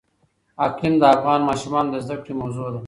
اقلیم د افغان ماشومانو د زده کړې موضوع ده.